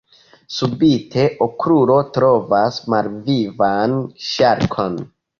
Subite, Okrulo trovas malvivan ŝarkon.